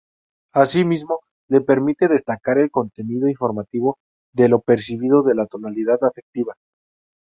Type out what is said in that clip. Asimismo, le permite destacar el contenido informativo de lo percibido de la tonalidad afectiva.